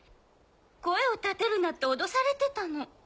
声をたてるなって脅されてたの。